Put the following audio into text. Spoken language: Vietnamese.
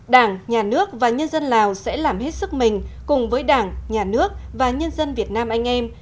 đảng nhà nước và nhân dân lào sẽ làm hết sức mình cùng với đảng nhà nước và nhân dân việt nam anh em